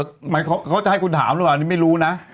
เหมือนเขาจะให้คุณถามหรือเปล่าอันนี้ไม่รู้นะ